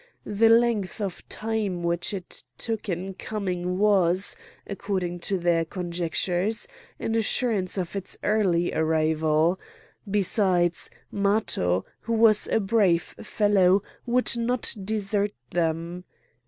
The length of time which it took in coming was, according to their conjectures, an assurance of its early arrival. Besides, Matho, who was a brave fellow, would not desert them.